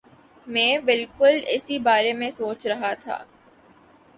میں بالکل اسی بارے میں سوچ رہا تھا